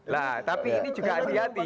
nah tapi ini juga hati hati